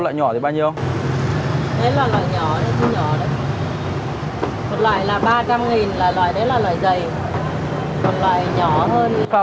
lấy loại văn sửa địa